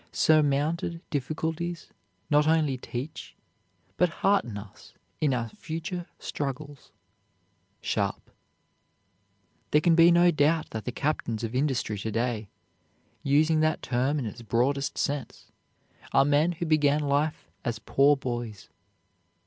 Surmounted difficulties not only teach, but hearten us in our future struggles. SHARPE. There can be no doubt that the captains of industry to day, using that term in its broadest sense, are men who began life as poor boys.